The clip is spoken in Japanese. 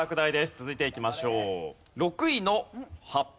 続いていきましょう。